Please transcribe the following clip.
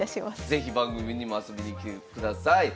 是非番組にも遊びに来てください。